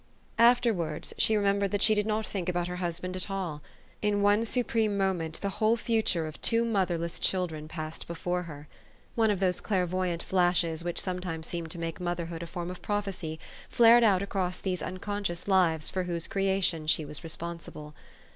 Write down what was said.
Afterwards she remembered that she did not think about her husband at all. In one supreme moment the whole future of two motherless chil dren passed before her. One of those clairvoyant flashes which sometimes seem to make motherhood a form of prophecy, flared out across these uncon scious lives for whose creation she was responsible.